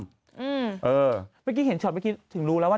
เมื่อกี้เห็นช็อตเมื่อกี้ถึงรู้แล้วว่า